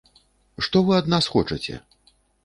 Што вы ад нас хочаце?